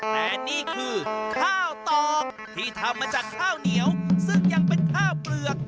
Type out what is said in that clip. แต่นี่คือข้าวตอกที่ทำมาจากข้าวเหนียวซึ่งยังเป็นข้าวเปลือก